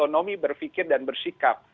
otomim berpikir dan bersikap